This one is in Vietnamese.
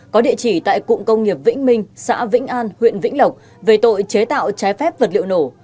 có địa chỉ tại cụng công nghiệp vĩnh minh xã vĩnh an huyện vĩnh lộc về tội chế tạo trái phép vật liệu nổ